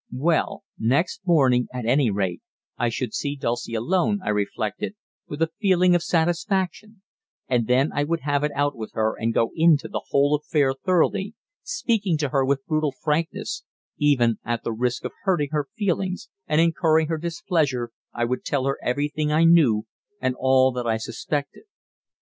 Well, next morning, at any rate, I should see Dulcie alone, I reflected, with a feeling of satisfaction, and then I would have it out with her and go into the whole affair thoroughly, speaking to her with brutal frankness even at the risk of hurting her feelings and incurring her displeasure I would tell her everything I knew and all that I suspected.